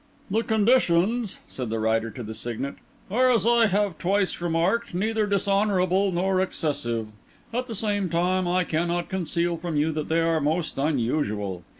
"The conditions," said the Writer to the Signet, "are, as I have twice remarked, neither dishonourable nor excessive. At the same time I cannot conceal from you that they are most unusual.